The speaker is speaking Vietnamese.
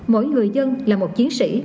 mỗi người dân là một chiến sĩ